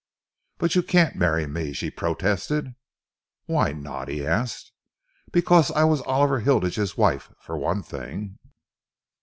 "But you can't marry me," she protested. "Why not?" he asked. "Because I was Oliver Hilditch's wife, for one thing."